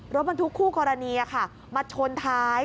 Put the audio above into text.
รถบรรทุกคู่กรณีมาชนท้าย